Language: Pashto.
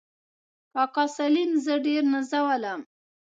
کاکا سالم زه ډېر نازولم.